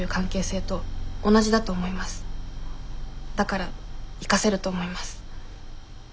だから生かせると思います。